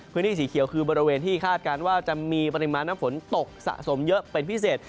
พื้นที่สีเขียวคือบริเวณที่คาดการณ์ว่าจะมีปริมาณน้ำฝนตกสะสมเยอะเป็นพิเศษ